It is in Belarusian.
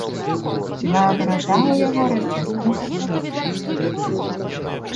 Сівая барада ў яго расчэсана па-святочнаму.